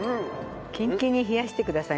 キンキンに冷やしてください